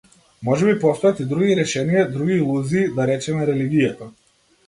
Можеби постојат и други решенија, други илузии, да речеме религијата.